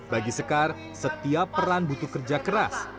bagi sekar setiap peran butuh kerja keras